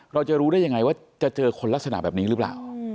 เราจะรู้ได้ยังไงว่าจะเจอคนลักษณะแบบนี้หรือเปล่า